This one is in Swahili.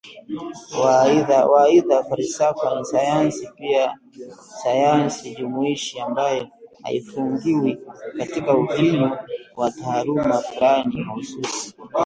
Waaidha, falsafa ni sayansi pia, sayansi jumuishi ambayo haifungiwi katika ufinyu wa taaluma fulani mahususi